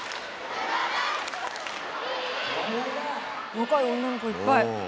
若い女の子いっぱい。